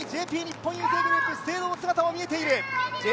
更にＪＰ日本郵政グループ、資生堂の姿も見えている。